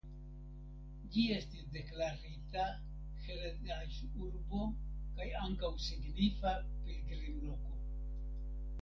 Ĝi estis deklarita heredaĵurbo kaj ankaŭ signifa pilgrimloko.